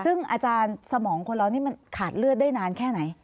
ซึ่งอาจารย์สมองคนเรานี่มันขาดเลือดได้นานแค่ไหน